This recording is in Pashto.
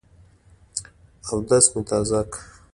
اودس مي تازه کړ .